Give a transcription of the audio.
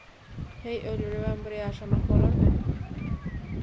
Heý öldüribem bir ýaşamak bolarmy.